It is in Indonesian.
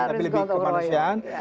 tapi lebih kemanusiaan